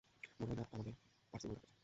মনে হয় না আমাদের পার্সিমন গাছ আছে।